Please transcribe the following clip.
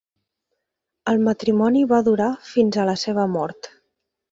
El matrimoni va durar fins a la seva mort.